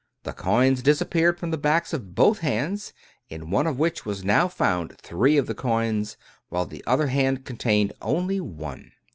The coins disappeared from the backs of both hands, in one of which was now found three of the coins, while the other hand contained only one."